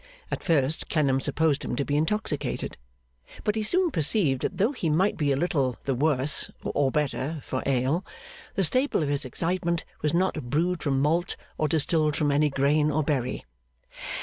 At first Clennam supposed him to be intoxicated. But he soon perceived that though he might be a little the worse (or better) for ale, the staple of his excitement was not brewed from malt, or distilled from any grain or berry.